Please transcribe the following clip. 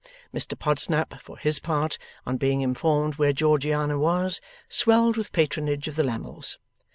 Mr Podsnap, for his part, on being informed where Georgiana was, swelled with patronage of the Lammles.